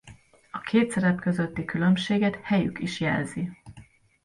A két szerep közötti különbséget helyük is jelzi.